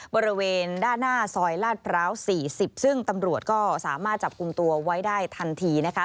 บริเวณด้านหน้าซอยลาดพร้าว๔๐ซึ่งตำรวจก็สามารถจับกลุ่มตัวไว้ได้ทันทีนะคะ